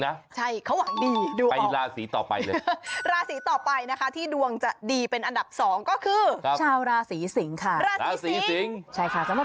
ถ้าเค้าได้นี่ก็จะมีความชดเรื่อง